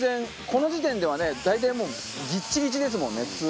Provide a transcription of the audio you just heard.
この時点ではね大体もうぎっちぎちですもんね普通。